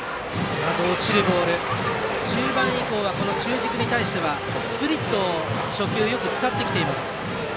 中盤以降、中軸に対してはスプリットを初球、よく使っている森。